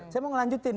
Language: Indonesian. saya mau ngelanjutin